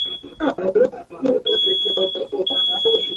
Wanyama wasiachwe katika sehemu zenye unyevu kwa muda mrefu